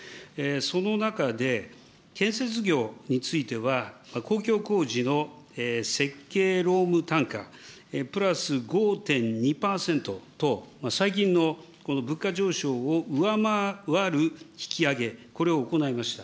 その中で、建設業については、公共工事の設計労務単価、プラス５．２％と、最近の物価上昇を上回る引き上げ、これを行いました。